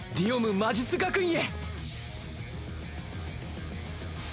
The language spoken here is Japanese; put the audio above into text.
魔術学院へ！